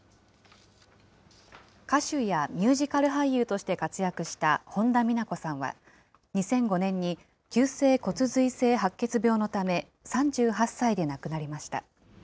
歌手やミュージカル俳優として活躍した本田美奈子．さんは、２００５年に、急性骨髄性白血病のため、３８歳で亡くなりました。